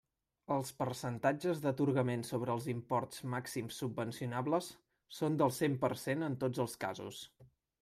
Els percentatges d'atorgament sobre els imports màxims subvencionables són del cent per cent en tots els casos.